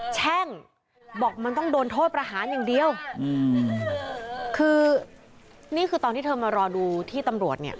แช่งบอกมันต้องโดนโทษประหารอย่างเดียวอืมคือนี่คือตอนที่เธอมารอดูที่ตำรวจเนี่ย